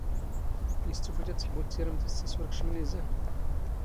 ⵉⵙ ⵜⵓⴼⵉⴷ ⴰⴷ ⵜⵃⴱⵓⵜ ⵜⵉⵔⵎⵜ ⴰⴷ ⵙⵉⵙ ⵓⵔ ⴽⵛⵉⵎⵏ ⵉⵣⴰⵏ?